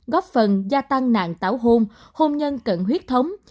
góp phần gia tăng nạn tảo hôn hôn nhân cận huyết thống